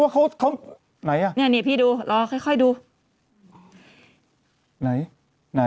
ไหนอ่ะ